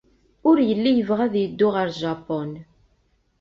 Ur yelli yebɣa ad yeddu ɣer Japun.